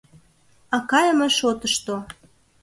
А кайыме шотышто...